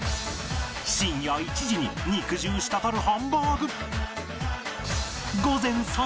深夜１時に肉汁したたるハンバーグ